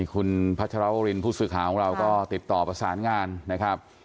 คุณพัชราโอลินผู้สื่อของเราก็ติดตอบประสานงานนะครับ